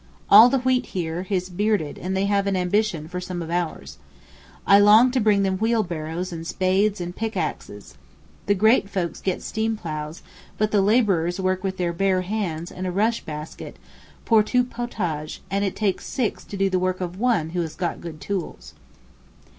All the wheat here is bearded and they have an ambition for some of ours. I long to bring them wheelbarrows and spades and pickaxes. The great folks get steamploughs, but the labourers work with their bare hands and a rush basket pour tout potage, and it takes six to do the work of one who has got good tools.